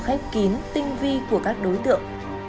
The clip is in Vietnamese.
khép kín tinh vi của các đối tượng